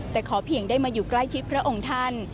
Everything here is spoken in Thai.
แต่ขอเพียงได้มาอยู่ใกล้ชิดพระองค์ท่าน